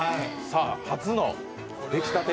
初の出来たて。